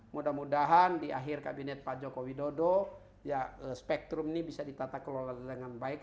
mudah mudahan di akhir kabinet pak joko widodo spektrum ini bisa ditata kelola dengan baik